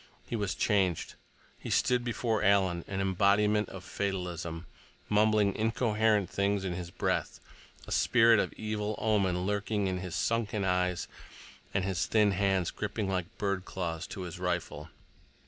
He was changed. He stood before Alan an embodiment of fatalism, mumbling incoherent things in his breath, a spirit of evil omen lurking in his sunken eyes, and his thin hands gripping like bird claws to his rifle.